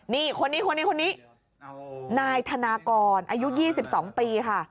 นี่คนนี้คนนี้คนนี้นายธนากรอายุ๒๒ปีค่ะ